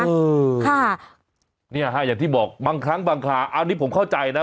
เออค่ะเนี่ยฮะอย่างที่บอกบางครั้งบางคราอันนี้ผมเข้าใจนะ